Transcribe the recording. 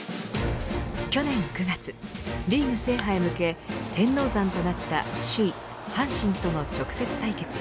去年９月、リーグ制覇へ向け天王山となった首位、阪神との直接対決。